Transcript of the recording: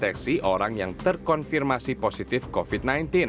deteksi orang yang terkonfirmasi positif covid sembilan belas